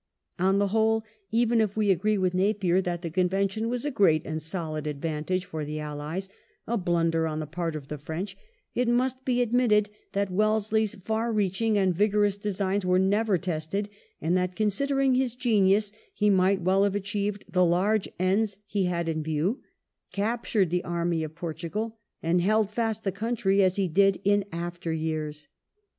On the whole, even if we agree with Napier that ^Hhe Convention was a great and solid advantage for the Allies, a blunder on the part of the French," it must be admitted that Wellesley's far reaching and vigorous designs were never tested; and that, considering his genius, he might well have achieved the large ends he had in view, captured the Army of Portugal, and held fast the couirtry as he did in after years.